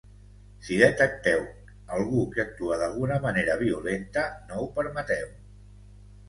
Si detecteu algú que actua d’alguna manera violenta, no ho permeteu.